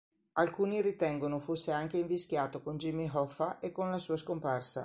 Alcuni ritengono fosse anche invischiato con Jimmy Hoffa e con la sua scomparsa.